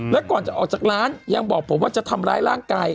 แล้วก่อนจะออกจากร้านยังบอกผมว่าจะทำร้ายร่างกาย